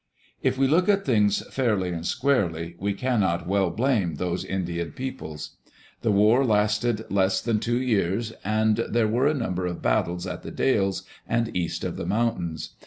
If we look at things fairly and squarely, we cannot well blame those Indian peoples. The war lasted less than two years, and there were a number of battles at The Dalles and east of the mountains.